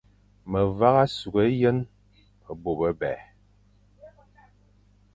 Me vagha sughé yen bô bebè.